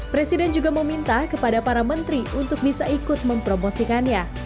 presiden juga meminta kepada para menteri untuk bisa ikut mempromosikannya